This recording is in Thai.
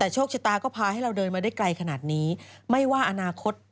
ใจขนาดนี้ไม่ว่าอนาคต